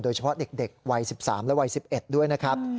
โดยเฉพาะเด็กวัย๑๓และวัย๑๑ด้วยนะครับ